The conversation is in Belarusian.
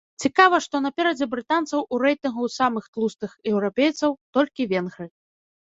Цікава, што наперадзе брытанцаў у рэйтынгу самых тлустых еўрапейцаў толькі венгры.